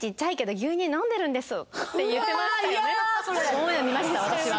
オンエア見ました私は。